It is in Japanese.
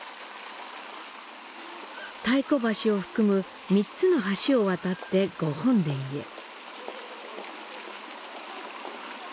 太鼓橋を含む３つの橋を渡って御本殿へ。